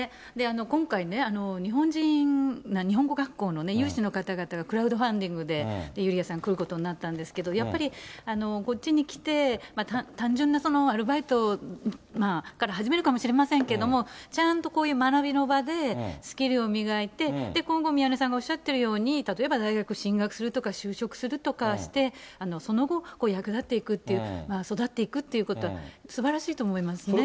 今回ね、日本人、日本語学校の有志の方々が、クラウドファンディングで、ユリアさん、来ることになったんですけれども、やっぱり、こっちに来て、単純なアルバイトから始めるかもしれませんけれども、ちゃんとこういう学びの場で、スキルを磨いて、今後、宮根さんがおっしゃっているように、例えば大学進学するとか就職するとかして、その後、役立っていくっていう、育っていくっていうことはすばらしいと思いますね。